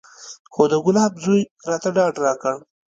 خو د ګلاب زوى راته ډاډ راکړ.